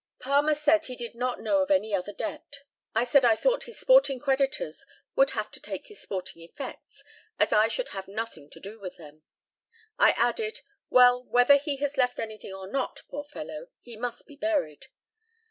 Palmer said he did not know of any other debt. I said I thought his sporting creditors would have to take his sporting effects, as I should have nothing to do with them. I added, "Well, whether he has left anything or not, poor fellow, he must be buried."